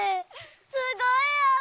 すごいあわ！